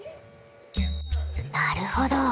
なるほど。